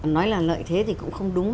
nói là lợi thế thì cũng không đúng